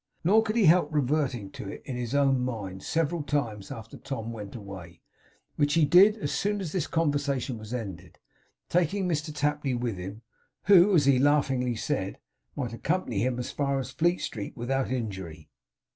Nor could he help reverting to it, in his own mind, several times after Tom went away, which he did as soon as this conversation was ended, taking Mr Tapley with him, who, as he laughingly said, might accompany him as far as Fleet Street without injury.